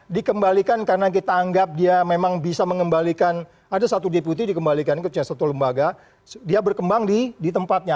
dikembalikan karena kita anggap dia memang bisa mengembalikan ada satu deputi dikembalikan ke satu lembaga dia berkembang di tempatnya